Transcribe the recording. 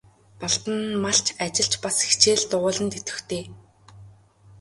Балдан нь малч, ажилч, бас хичээл дугуйланд идэвхтэй.